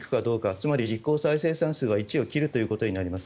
つまり実効再生産数は１を切るということになります。